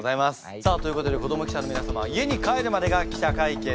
さあということで子ども記者の皆様家に帰るまでが記者会見です。